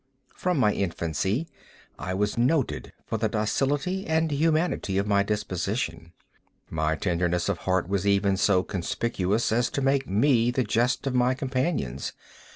From my infancy I was noted for the docility and humanity of my disposition. My tenderness of heart was even so conspicuous as to make me the jest of my companions.